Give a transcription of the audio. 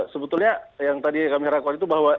sebetulnya yang tadi kami rangkukan itu bahwa